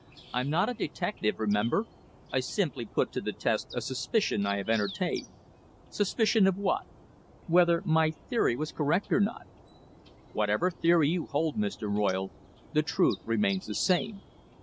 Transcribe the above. "I'm not a detective, remember. I simply put to the test a suspicion I have entertained." "Suspicion of what?" "Whether my theory was correct or not." "Whatever theory you hold, Mr. Royle, the truth remains the same.